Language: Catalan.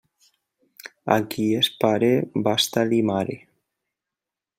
A qui es pare basta-li mare.